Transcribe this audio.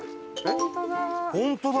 本当だ！